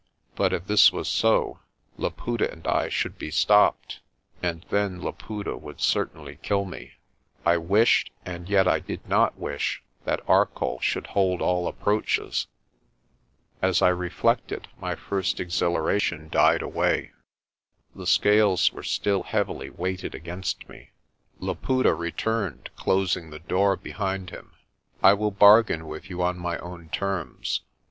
But if this was so, Laputa and I should be stopped, and then Laputa would certainly kill me. I wished and yet I did not wish INANDA'S KRAAL 199 that Arcoll should hold all approaches. As I reflected, my first exhilaration died away. The scales were still heavily weighted against me. Laputa returned, closing the door behind him. "I will bargain with you on my own terms.